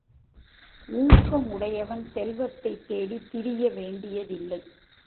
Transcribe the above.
ஊக்கமுடையவன் செல்வத்தைத் தேடித்திரிய வேண்டியதில்லை.